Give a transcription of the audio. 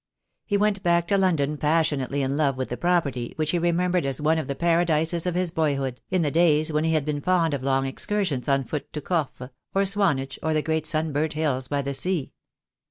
He went back to London passionately in love with the property, which he remembered as one of the paradises of his boyhood, in the days when he had been fond of long excursions on foot to Corfe, or Swanage, or the great sunburnt hills by the sea.